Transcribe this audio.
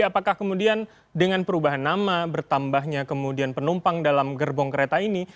apakah kemudian dengan perubahan nama bertambahnya kemudian penumpang dalam gerbong kereta ini